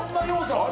あれ？